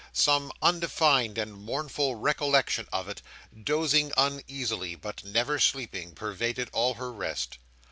Some undefined and mournful recollection of it, dozing uneasily but never sleeping, pervaded all her rest.